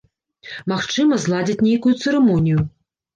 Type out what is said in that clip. Магчыма, зладзяць нейкую цырымонію.